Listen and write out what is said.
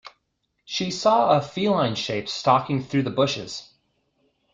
She saw a feline shape stalking through the bushes